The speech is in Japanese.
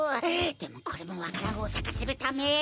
でもこれもわか蘭をさかせるため。